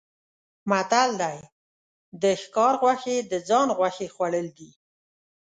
متل دی: د ښکار غوښې د ځان غوښې خوړل دي.